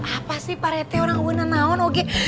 apa sih pak rete orang una naon oge